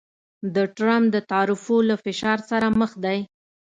د ټرمپ د تعرفو له فشار سره مخ دی